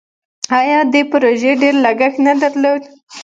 آیا دې پروژې ډیر لګښت نه درلود؟